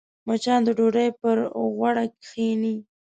مچان د ډوډۍ پر غوړه کښېني